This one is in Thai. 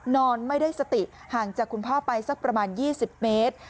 นอนไม่ได้สติห่างจากคุณพ่อไปสักประมาณ๒๐เมตร